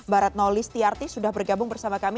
baratno list trt sudah bergabung bersama kami